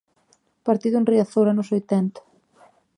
Partido en Riazor, anos oitenta.